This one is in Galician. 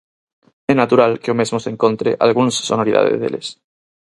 É natural que o mesmo se encontre algúns sonoridade deles.